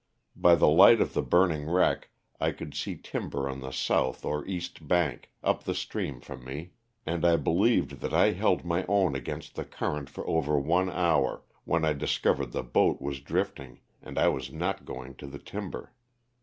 By the light of the burning wreck I could see timber on the south or east bank, up the stream from me, and I believed that I held my own against the current for over one hour, when I discovered the boat was drifting and I was not going to the timber.